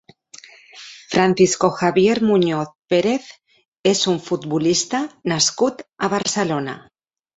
Francisco Javier Muñoz Pérez és un futbolista nascut a Barcelona.